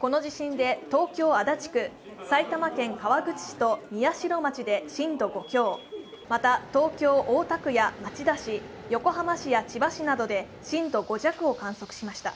この地震で東京・足立区、埼玉県川口市と宮代町で震度５強、また東京・大田区や町田市、横浜市や千葉市などで震度５弱を観測しました。